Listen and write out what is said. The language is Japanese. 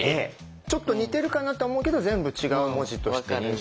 ちょっと似てるかなと思うけど全部違う文字として認識はできますよね。